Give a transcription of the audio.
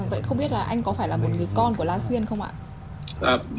vậy không biết là anh có phải là một người con của la xuyên không ạ